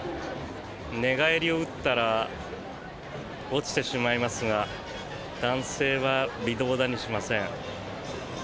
寝返りを打ったら落ちてしまいますが男性は微動だにしません。